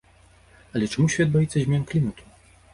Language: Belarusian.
Але чаму свет баіцца змен клімату?